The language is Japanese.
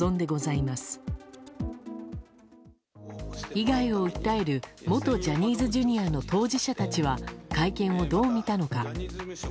被害を訴える元ジャニーズＪｒ．の当事者たちは会見をどう見たのか。